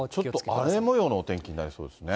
ちょっと荒れもようのお天気になりそうですね。